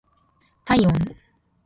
体温